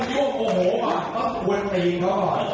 ทุกคนเห็นรักคนครั้งเดียว